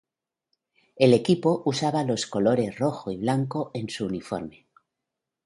El equipo usaba los colores rojo y blanco en su uniforme.